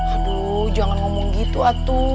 aduh jangan ngomong gitu aduh